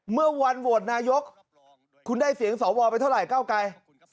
เมื่อวันโหวตนายกคุณได้เสียงสวไปเท่าไห้เก้าไกร